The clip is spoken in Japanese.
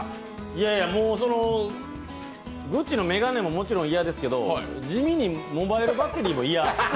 いやいや、グッチの眼鏡ももちろん嫌ですけど地味にモバイルバッテリーも嫌。